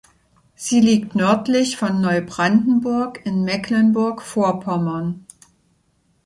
Sie liegt nördlich von Neubrandenburg in Mecklenburg-Vorpommern.